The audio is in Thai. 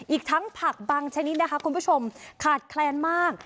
อีกทั้งผักบางชนิดนะคะคุณผู้ชมขาดแคลนมาก